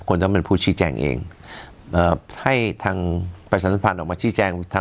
ควรจะเป็นผู้ชี้แจ้งเองให้ทางประสานสัมภัณฑ์ออกมาชี้แจ้ง